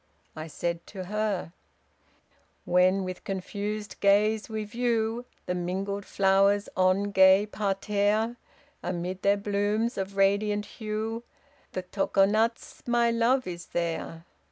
I said to her: When with confused gaze we view The mingled flowers on gay parterre, Amid their blooms of radiant hue The Tokonatz, my love, is there.